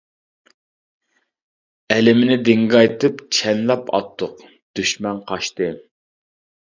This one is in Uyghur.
ئەلىمىنى دىڭگايتىپ، چەنلەپ ئاتتۇق، دۈشمەن قاچتى.